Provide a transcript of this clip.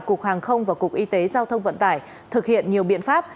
cục hàng không và cục y tế giao thông vận tải thực hiện nhiều biện pháp